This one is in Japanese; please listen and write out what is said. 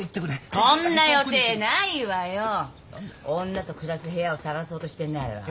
女と暮らす部屋を探そうとしてんねあれは。